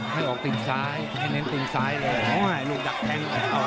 หนุ่มออกติดซ้ายให้หนุ่มติดซ้ายกัน